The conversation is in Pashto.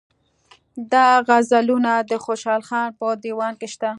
دا غزلونه د خوشحال خان په دېوان کې شته.